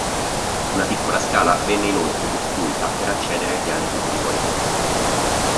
Una piccola scala venne inoltre costruita per accedere ai piani superiori.